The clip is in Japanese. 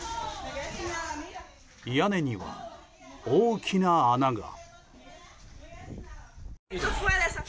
屋根には、大きな穴が。